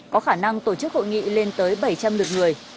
có khả năng tổ chức hội nghị lên tới bảy trăm linh lượt người